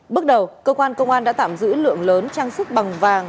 bước đầu công an đã tạm giữ lượng lớn trang sức bằng vàng